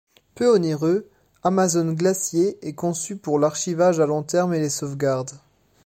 Peu onéreux, Amazon Glacier est conçu pour l'archivage à long terme et les sauvegardes.